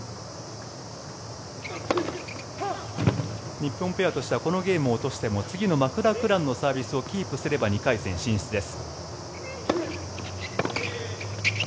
日本ペアとしてはこのゲームを落としても次のマクラクランのサーブをキープすれば２回戦進出です。